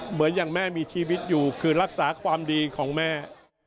เหมือนอย่างแม่มีชีวิตอยู่คือรักษาความดีของแม่